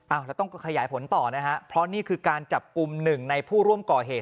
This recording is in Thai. แล้วต้องขยายผลต่อนะฮะเพราะนี่คือการจับกลุ่มหนึ่งในผู้ร่วมก่อเหตุ